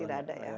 tidak ada ya